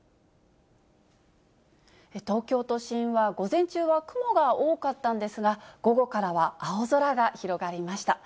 東京都心は午前中は雲が多かったんですが、午後からは青空が広がりました。